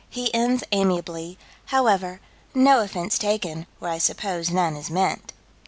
He ends amiably: "However, 'no offense taken, where I suppose none is meant.'"